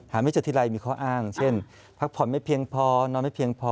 ไม่เจอทีไรมีข้ออ้างเช่นพักผ่อนไม่เพียงพอนอนไม่เพียงพอ